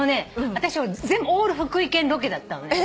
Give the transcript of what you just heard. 私オール福井県ロケだったのね。